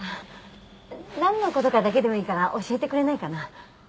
なんの事かだけでもいいから教えてくれないかな？